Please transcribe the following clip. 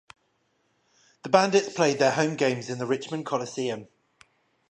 The Bandits played their home games in the Richmond Coliseum.